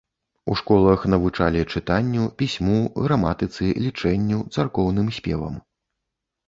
У школах навучалі чытанню, пісьму, граматыцы, лічэнню, царкоўным спевам.